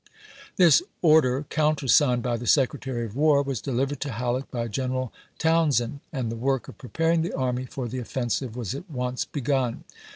This order, countersigned by the Secretary of War, was delivered to Halleck by General Towns end, and the work of preparing the army for the offensive was at once begun.